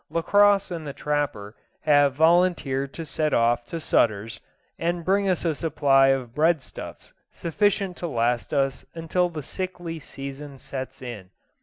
Lacosse and the trapper have volunteered to set off to Sutter's, and bring us up a supply of breadstuffs sufficient to last us until the sickly season sets in.